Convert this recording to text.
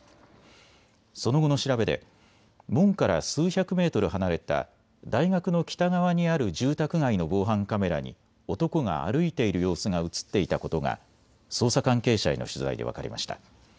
その後の調べで門から数百メートル離れた大学の北側にある住宅街の防犯カメラに男が歩いている様子が写っていたことが捜査関係者への取材で分かりました。